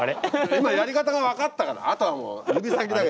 今やり方が分かったからあとはもう指先だけ。